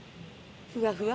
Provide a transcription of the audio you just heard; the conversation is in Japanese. ふわふわ？